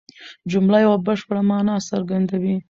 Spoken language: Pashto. جمله یوه بشپړه مانا څرګندوي.